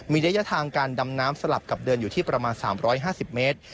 มีระยะทางการดำน้ำสลับกับเดินอยู่ที่ประมาณ๓๕๐เมตร